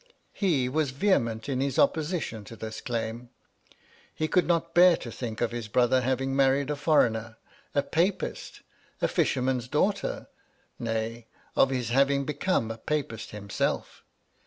He was vehement in his opposition to this claim. He could not bear to think of his brother having married a foreigner — a papist, a fisherman's daughter; nay, of his having become a papist himself.